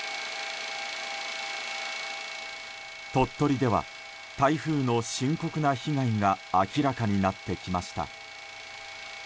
鳥取では台風の深刻な被害が明らかになってきました。